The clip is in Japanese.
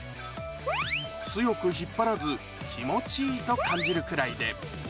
強く引っ張らず、気持ちいいと感じるくらいで。